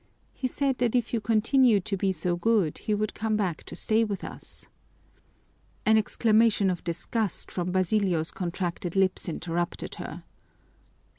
He said that if you continued to be so good he would come back to stay with us." An exclamation of disgust from Basilio's contracted lips interrupted her.